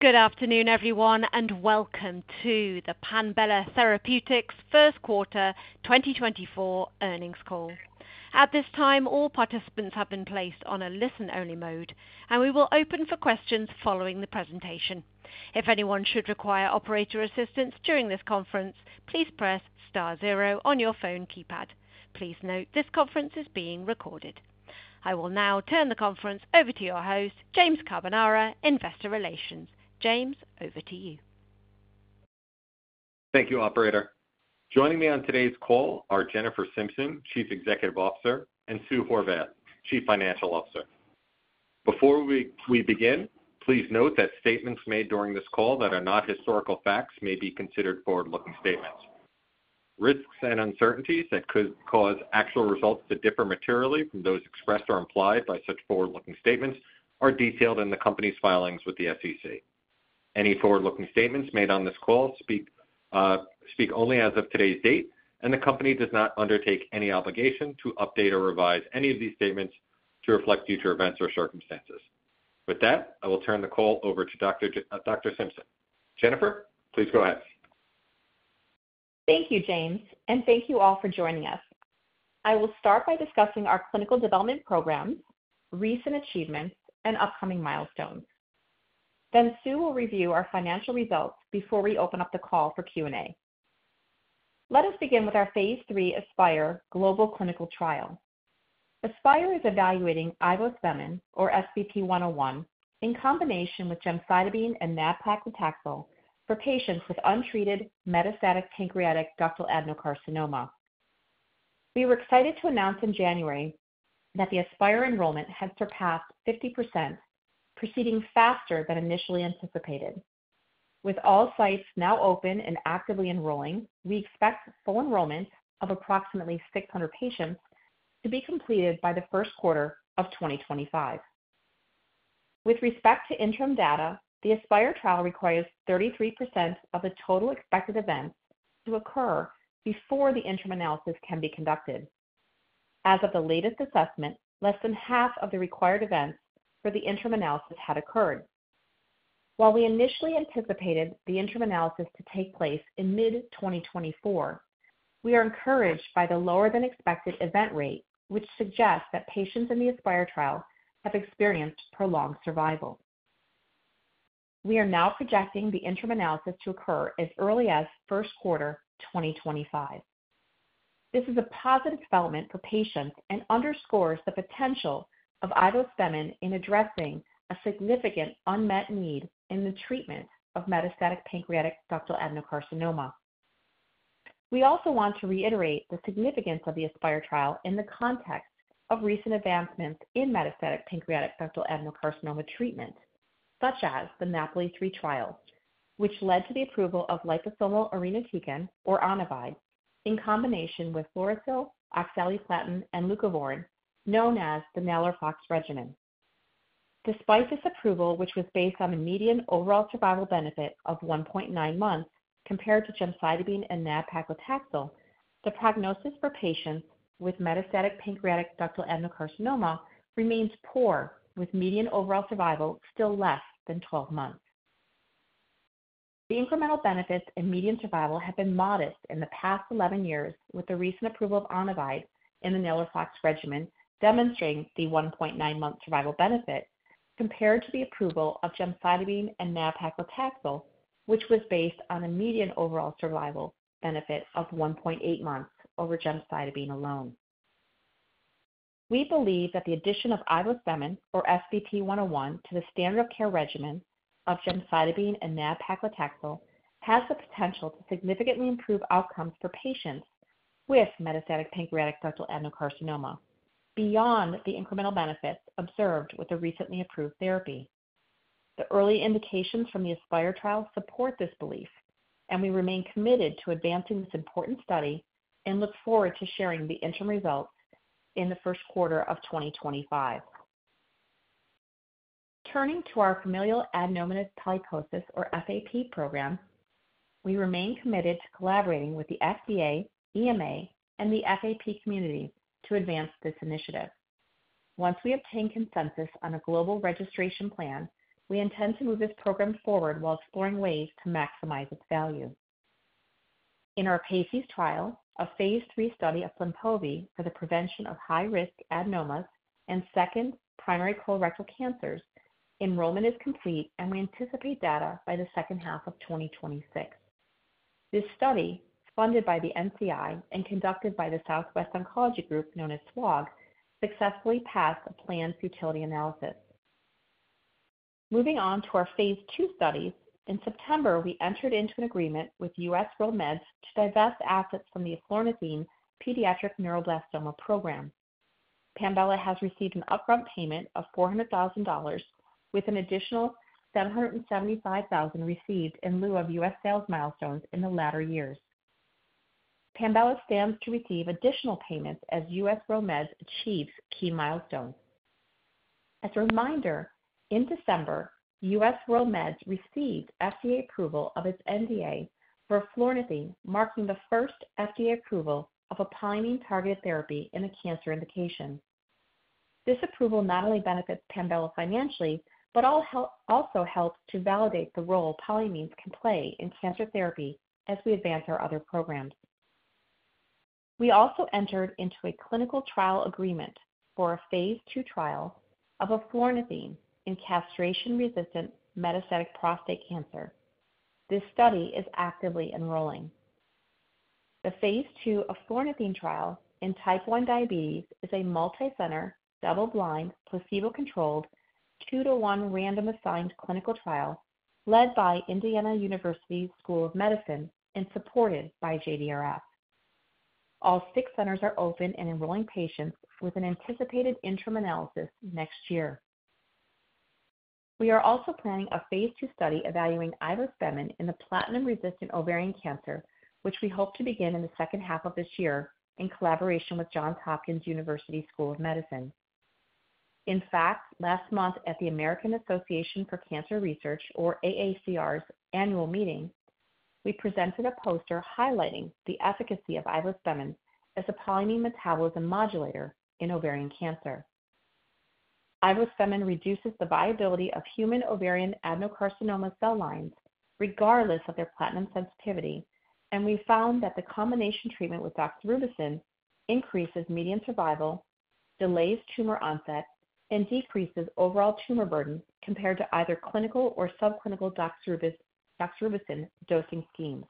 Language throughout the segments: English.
Good afternoon, everyone, and welcome to the Panbela Therapeutics First Quarter 2024 earnings call. At this time, all participants have been placed on a listen-only mode, and we will open for questions following the presentation. If anyone should require operator assistance during this conference, please press star zero on your phone keypad. Please note, this conference is being recorded. I will now turn the conference over to your host, James Carbonara, Investor Relations. James, over to you. Thank you, operator. Joining me on today's call are Jennifer Simpson, Chief Executive Officer, and Sue Horvath, Chief Financial Officer. Before we begin, please note that statements made during this call that are not historical facts may be considered forward-looking statements. Risks and uncertainties that could cause actual results to differ materially from those expressed or implied by such forward-looking statements are detailed in the company's filings with the SEC. Any forward-looking statements made on this call speak only as of today's date, and the company does not undertake any obligation to update or revise any of these statements to reflect future events or circumstances. With that, I will turn the call over to Dr. Simpson. Jennifer, please go ahead. Thank you, James, and thank you all for joining us. I will start by discussing our clinical development programs, recent achievements, and upcoming milestones. Then Sue will review our financial results before we open up the call for Q&A. Let us begin with our Phase III ASPIRE global clinical trial. ASPIRE is evaluating ivospemin or SBP-101, in combination with gemcitabine and nab-paclitaxel for patients with untreated metastatic pancreatic ductal adenocarcinoma. We were excited to announce in January that the ASPIRE enrollment had surpassed 50%, proceeding faster than initially anticipated. With all sites now open and actively enrolling, we expect full enrollment of approximately 600 patients to be completed by the first quarter of 2025. With respect to interim data, the ASPIRE trial requires 33% of the total expected events to occur before the interim analysis can be conducted. As of the latest assessment, less than half of the required events for the interim analysis had occurred. While we initially anticipated the interim analysis to take place in mid-2024, we are encouraged by the lower-than-expected event rate, which suggests that patients in the ASPIRE trial have experienced prolonged survival. We are now projecting the interim analysis to occur as early as first quarter 2025. This is a positive development for patients and underscores the potential of ivospemin in addressing a significant unmet need in the treatment of metastatic pancreatic ductal adenocarcinoma. We also want to reiterate the significance of the ASPIRE trial in the context of recent advancements in metastatic pancreatic ductal adenocarcinoma treatment, such as the NAPOLI-3 trial, which led to the approval of liposomal irinotecan, or Onivyde, in combination with fluorouracil, oxaliplatin, and leucovorin, known as the NALIRIFOX regimen. Despite this approval, which was based on a median overall survival benefit of 1.9 months compared to gemcitabine and nab-paclitaxel, the prognosis for patients with metastatic pancreatic ductal adenocarcinoma remains poor, with median overall survival still less than 12 months. The incremental benefits in median survival have been modest in the past 11 years, with the recent approval of Onivyde in the NALIRIFOX regimen demonstrating the 1.9-month survival benefit compared to the approval of gemcitabine and nab-paclitaxel, which was based on a median overall survival benefit of 1.8 months over gemcitabine alone. We believe that the addition of ivospemin, or SBP-101, to the standard of care regimen of gemcitabine and nab-paclitaxel has the potential to significantly improve outcomes for patients with metastatic pancreatic ductal adenocarcinoma beyond the incremental benefits observed with the recently approved therapy. The early indications from the ASPIRE trial support this belief, and we remain committed to advancing this important study and look forward to sharing the interim results in the first quarter of 2025. Turning to our familial adenomatous polyposis, or FAP, program, we remain committed to collaborating with the FDA, EMA, and the FAP community to advance this initiative. Once we obtain consensus on a global registration plan, we intend to move this program forward while exploring ways to maximize its value. In our PACES trial, a Phase III study of Flynpovi for the prevention of high-risk adenomas and second primary colorectal cancers, enrollment is complete, and we anticipate data by the second half of 2026. This study, funded by the NCI and conducted by the Southwest Oncology Group, known as SWOG, successfully passed a planned futility analysis. Moving on to our Phase II studies. In September, we entered into an agreement with U.S. WorldMeds to divest assets from the eflornithine pediatric neuroblastoma program. Panbela has received an upfront payment of $400,000, with an additional $775,000 received in lieu of U.S. sales milestones in the latter years. Panbela stands to receive additional payments as U.S. WorldMeds achieves key milestones. As a reminder, in December, U.S. WorldMeds received FDA approval of its NDA for eflornithine, marking the first FDA approval of a pioneering targeted therapy in a cancer indication. This approval not only benefits Panbela financially, but also helps to validate the role polyamines can play in cancer therapy as we advance our other programs. We also entered into a clinical trial agreement for a Phase II trial of eflornithine in castration-resistant metastatic prostate cancer. This study is actively enrolling. The Phase II eflornithine trial in type one diabetes is a multicenter, double-blind, placebo-controlled, 2-to-1 randomized clinical trial led by Indiana University School of Medicine and supported by JDRF. All six centers are open and enrolling patients with an anticipated interim analysis next year. We are also planning a Phase II study evaluating ivospemin in the platinum-resistant ovarian cancer, which we hope to begin in the second half of this year in collaboration with Johns Hopkins University School of Medicine. In fact, last month at the American Association for Cancer Research, or AACR's annual meeting, we presented a poster highlighting the efficacy of ivospemin as a polyamine metabolism modulator in ovarian cancer. Ivospemin reduces the viability of human ovarian adenocarcinoma cell lines regardless of their platinum sensitivity, and we found that the combination treatment with doxorubicin increases median survival, delays tumor onset, and decreases overall tumor burden compared to either clinical or subclinical doxorubicin dosing schemes.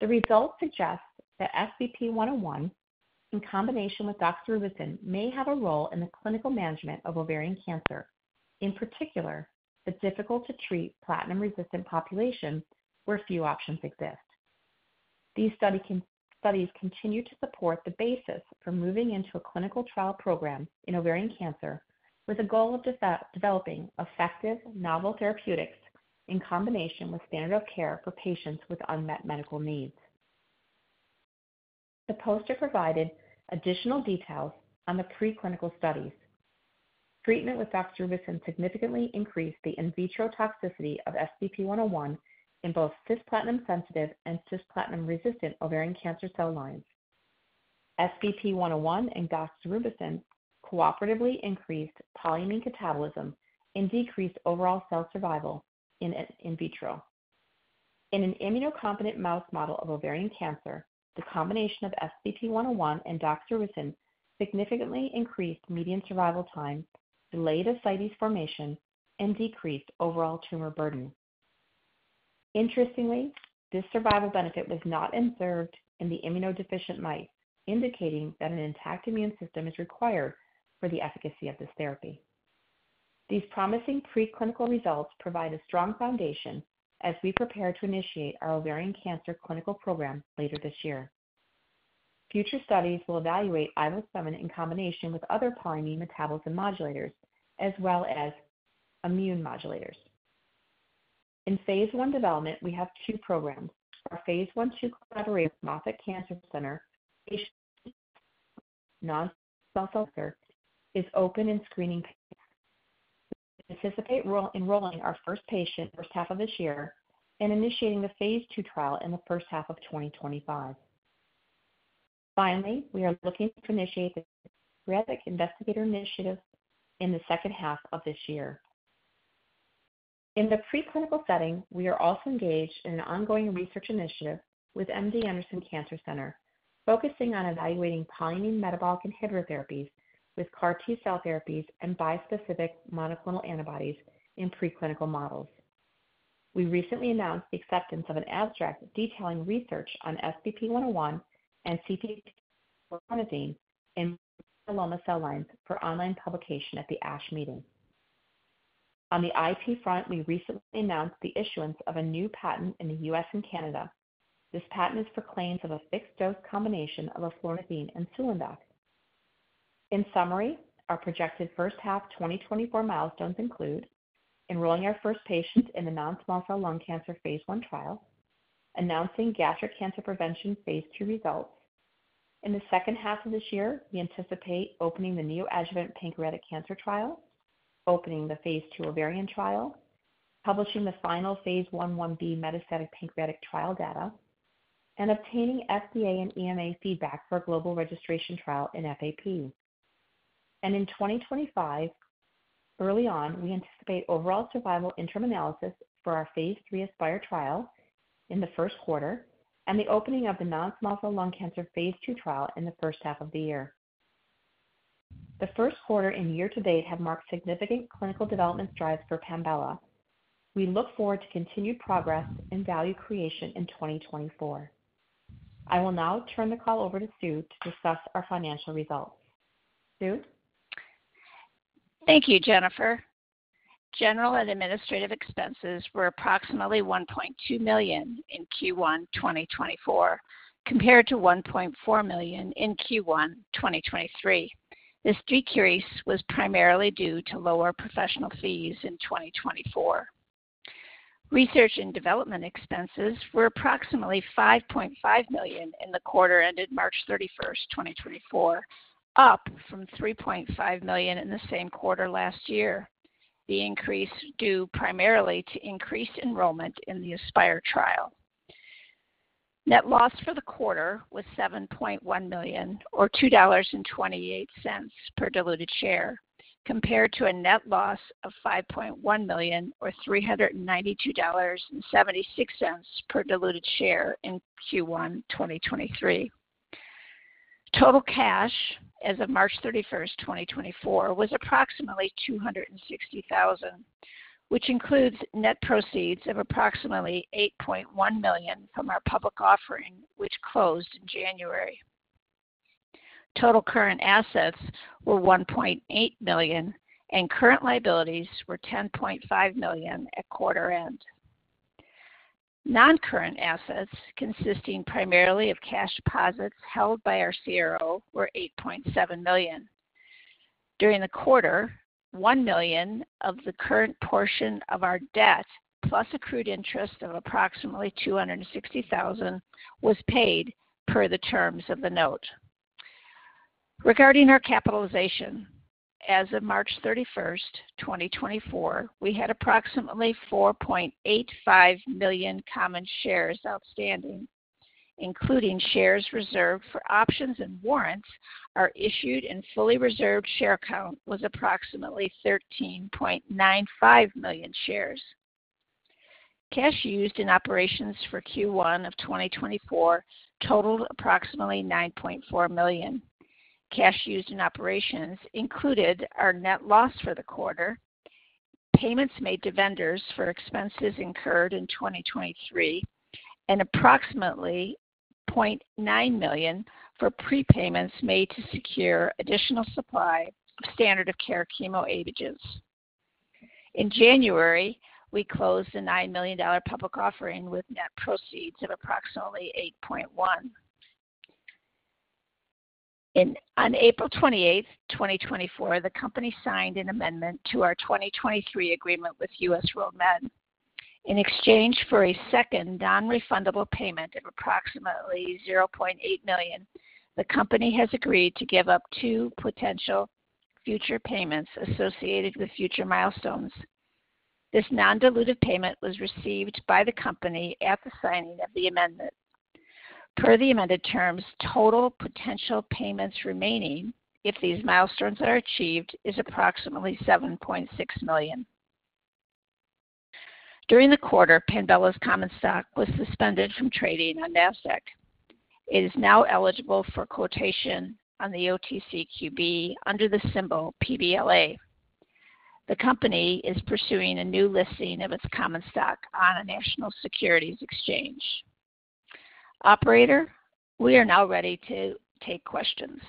The results suggest that SBP-101 in combination with doxorubicin may have a role in the clinical management of ovarian cancer, in particular, the difficult-to-treat platinum-resistant population, where few options exist. These studies continue to support the basis for moving into a clinical trial program in ovarian cancer, with a goal of developing effective novel therapeutics in combination with standard of care for patients with unmet medical needs. The poster provided additional details on the preclinical studies. Treatment with doxorubicin significantly increased the in vitro toxicity of SBP-101 in both cisplatin-sensitive and cisplatin-resistant ovarian cancer cell lines. SBP-101 and doxorubicin cooperatively increased polyamine catabolism and decreased overall cell survival in vitro. In an immunocompetent mouse model of ovarian cancer, the combination of SBP-101 and doxorubicin significantly increased median survival time, delayed ascites formation, and decreased overall tumor burden. Interestingly, this survival benefit was not observed in the immunodeficient mice, indicating that an intact immune system is required for the efficacy of this therapy. These promising preclinical results provide a strong foundation as we prepare to initiate our ovarian cancer clinical program later this year. Future studies will evaluate ivospemin in combination with other polyamine metabolism modulators, as well as immune modulators. In Phase I development, we have two programs. Our Phase I/II collaboration with Moffitt Cancer Center, non-small cell cancer, is open and screening. We anticipate enrolling our first patient first half of this year and initiating the Phase II trial in the first half of 2025. Finally, we are looking to initiate the ROAR Investigator Initiative in the second half of this year. In the preclinical setting, we are also engaged in an ongoing research initiative with MD Anderson Cancer Center, focusing on evaluating polyamine metabolic inhibitor therapies with CAR T-cell therapies and bispecific monoclonal antibodies in preclinical models. We recently announced the acceptance of an abstract detailing research on SBP-101 and CPP-1X eflornithine in myeloma cell lines for online publication at the ASH meeting. On the IP front, we recently announced the issuance of a new patent in the U.S. and Canada. This patent is for claims of a fixed-dose combination of eflornithine and sulindac. In summary, our projected first half 2024 milestones include enrolling our first patient in the non-small cell lung cancer Phase I trial, announcing gastric cancer prevention Phase II results. In the second half of this year, we anticipate opening the neoadjuvant pancreatic cancer trial, opening the Phase II ovarian trial, publishing the final Phase I/1b metastatic pancreatic trial data, and obtaining FDA and EMA feedback for a global registration trial in FAP. And in 2025, early on, we anticipate overall survival interim analysis for our Phase III ASPIRE trial in the first quarter and the opening of the non-small cell lung cancer Phase II trial in the first half of the year. The first quarter and year to date have marked significant clinical development strides for Panbela. We look forward to continued progress and value creation in 2024. I will now turn the call over to Sue to discuss our financial results. Sue? Thank you, Jennifer. General and administrative expenses were approximately $1.2 million in Q1 2024, compared to $1.4 million in Q1 2023. This decrease was primarily due to lower professional fees in 2024. Research and development expenses were approximately $5.5 million in the quarter ended March 31st, 2024, up from $3.5 million in the same quarter last year, the increase due primarily to increased enrollment in the ASPIRE trial. Net loss for the quarter was $7.1 million, or $2.28 per diluted share, compared to a net loss of $5.1 million, or $392.76 per diluted share in Q1 2023. Total cash as of March 31st, 2024, was approximately $260,000, which includes net proceeds of approximately $8.1 million from our public offering, which closed in January. Total current assets were $1.8 million, and current liabilities were $10.5 million at quarter end. Non-current assets, consisting primarily of cash deposits held by our CRO, were $8.7 million. During the quarter, $1 million of the current portion of our debt, plus accrued interest of approximately $260,000, was paid per the terms of the note. Regarding our capitalization, as of March 31st, 2024, we had approximately 4.85 million common shares outstanding, including shares reserved for options and warrants. Our issued and fully reserved share count was approximately 13.95 million shares. Cash used in operations for Q1 of 2024 totaled approximately $9.4 million. Cash used in operations included our net loss for the quarter, payments made to vendors for expenses incurred in 2023, and approximately $0.9 million for prepayments made to secure additional supply of standard of care chemo agents. In January, we closed a $9 million public offering with net proceeds of approximately $8.1 million. On April 28, 2024, the company signed an amendment to our 2023 agreement with U.S. WorldMeds. In exchange for a second non-refundable payment of approximately $0.8 million, the company has agreed to give up two potential future payments associated with future milestones. This non-dilutive payment was received by the company at the signing of the amendment. Per the amended terms, total potential payments remaining, if these milestones are achieved, is approximately $7.6 million. During the quarter, Panbela's common stock was suspended from trading on NASDAQ. It is now eligible for quotation on the OTCQB under the symbol PBLA. The company is pursuing a new listing of its common stock on a national securities exchange. Operator, we are now ready to take questions.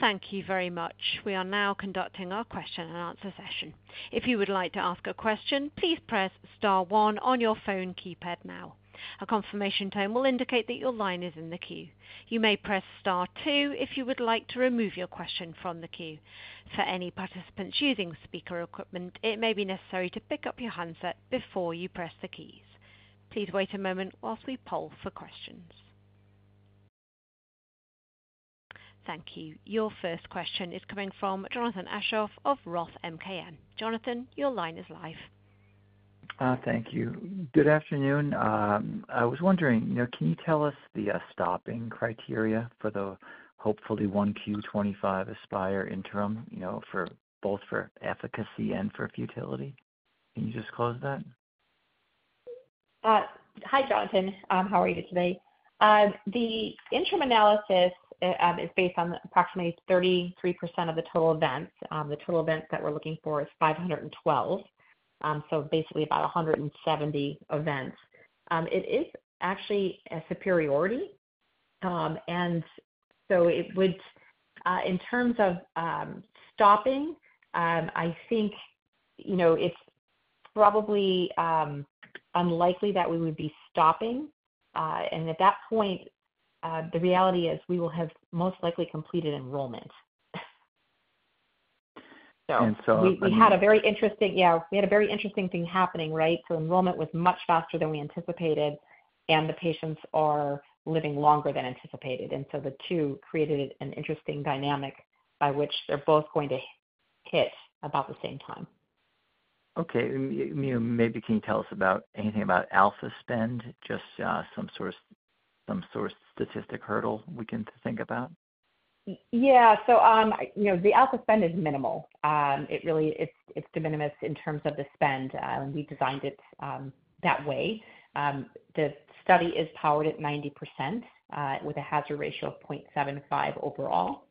Thank you very much. We are now conducting our question and answer session. If you would like to ask a question, please press star one on your phone keypad now. A confirmation tone will indicate that your line is in the queue. You may press star two if you would like to remove your question from the queue. For any participants using speaker equipment, it may be necessary to pick up your handset before you press the keys. Please wait a moment while we poll for questions. Thank you. Your first question is coming from Jonathan Aschoff of Roth MKM. Jonathan, your line is live. Thank you. Good afternoon. I was wondering, you know, can you tell us the stopping criteria for the hopefully 1Q25 ASPIRE interim, you know, for both for efficacy and for futility? Can you just close that? Hi, Jonathan. How are you today? The interim analysis is based on approximately 33% of the total events. The total events that we're looking for is 512, so basically about 170 events. It is actually a superiority, and so it would, in terms of, stopping, I think, you know, it's probably unlikely that we would be stopping. And at that point, the reality is we will have most likely completed enrollment. And so- We had a very interesting thing happening, right? So enrollment was much faster than we anticipated, and the patients are living longer than anticipated, and so the two created an interesting dynamic by which they're both going to hit about the same time. Okay, you know, maybe can you tell us about anything about alpha spend, just some sort of, some sort of statistic hurdle we can think about? Yeah. So, you know, the alpha spend is minimal. It really, it's, it's de minimis in terms of the spend, and we designed it that way. The study is powered at 90%, with a hazard ratio of 0.75 overall,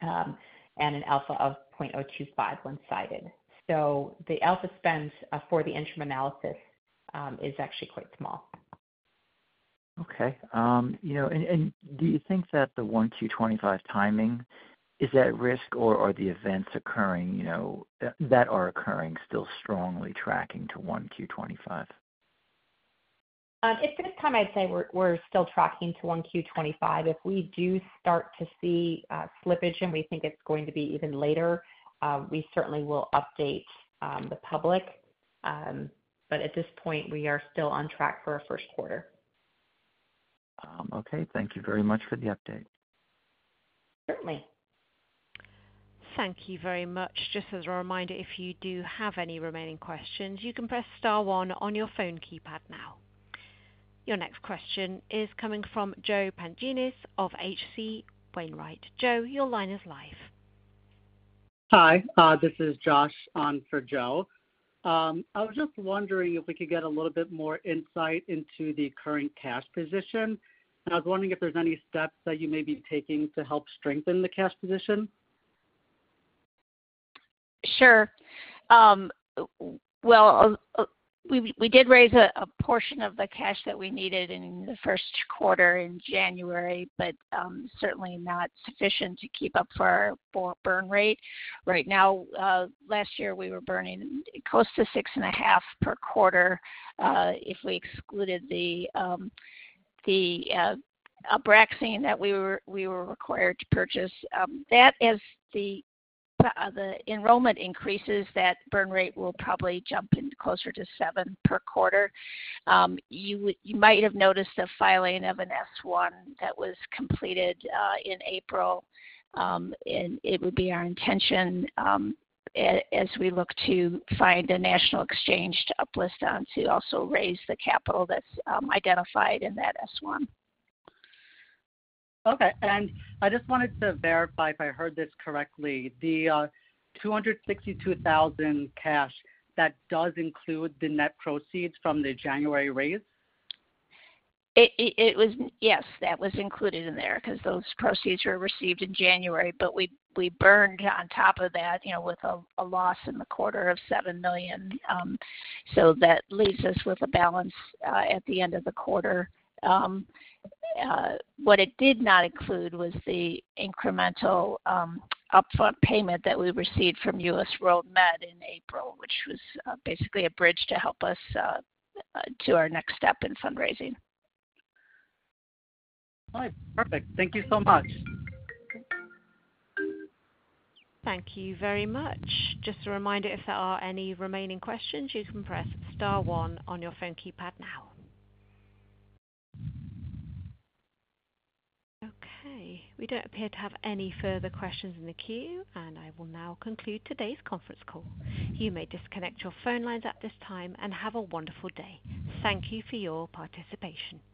and an alpha of 0.025 one-sided. So the alpha spend, for the interim analysis, is actually quite small. Okay. You know, and do you think that the 1Q25 timing is at risk, or are the events occurring, you know, that are occurring, still strongly tracking to 1Q25? At this time, I'd say we're still tracking to Q1 2025. If we do start to see slippage and we think it's going to be even later, we certainly will update the public. But at this point, we are still on track for our first quarter. Okay. Thank you very much for the update. Certainly.... Thank you very much. Just as a reminder, if you do have any remaining questions, you can press star one on your phone keypad now. Your next question is coming from Joe Pantginis of H.C. Wainwright. Joe, your line is live. Hi, this is Josh on for Joe. I was just wondering if we could get a little bit more insight into the current cash position, and I was wondering if there's any steps that you may be taking to help strengthen the cash position? Sure. Well, we did raise a portion of the cash that we needed in the first quarter in January, but certainly not sufficient to keep up for our burn rate. Right now, last year, we were burning close to $6.5 million per quarter, if we excluded the Abraxane that we were required to purchase. That is the enrollment increases, that burn rate will probably jump in closer to $7 million per quarter. You might have noticed a filing of an S-1 that was completed in April. It would be our intention, as we look to find a national exchange to uplist on, to also raise the capital that's identified in that S-1. Okay. And I just wanted to verify if I heard this correctly. The $262,000 cash, that does include the net proceeds from the January raise? It was. Yes, that was included in there because those proceeds were received in January, but we burned on top of that, you know, with a loss in the quarter of $7 million. So that leaves us with a balance at the end of the quarter. What it did not include was the incremental upfront payment that we received from U.S. WorldMeds in April, which was basically a bridge to help us to our next step in fundraising. All right. Perfect. Thank you so much. Thank you very much. Just a reminder, if there are any remaining questions, you can press star one on your phone keypad now. Okay, we don't appear to have any further questions in the queue, and I will now conclude today's conference call. You may disconnect your phone lines at this time and have a wonderful day. Thank you for your participation.